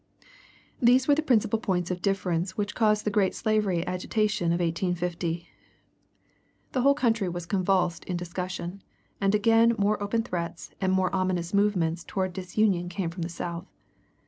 These were the principal points of difference which caused the great slavery agitation of 1850. The whole country was convulsed in discussion; and again more open threats and more ominous movements towards disunion came from the South.